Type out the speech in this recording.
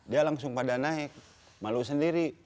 dia langsung pada naik malu sendiri